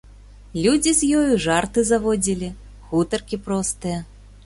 Людзі з ёю жарты заводзілі, гутаркі простыя.